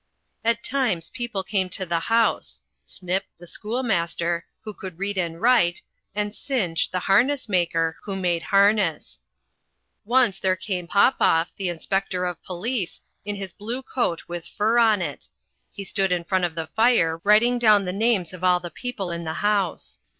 At times people came to the house Snip, the schoolmaster, who could read and write, and Cinch, the harness maker, who made harness. Once there came Popoff, the inspector of police, in his blue coat with fur on it. He stood in front of the fire writing down the names of all the people in the house.